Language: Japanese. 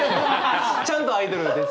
ちゃんとアイドルです。